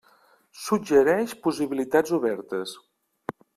Suggereix possibilitats obertes.